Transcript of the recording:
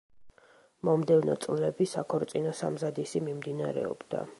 მომდევნო წლები საქორწინო სამზადისი მიმდინარეობდა.